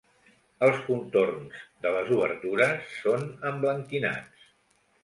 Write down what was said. Els contorns de les obertures són emblanquinats.